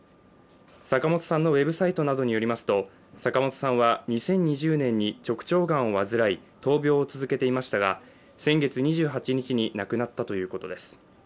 坂本さんのウェブサイトなどによりますと坂本さんは２０２０年に直腸がんを患い闘病を続けていましたが先月２８日に亡くなったということです。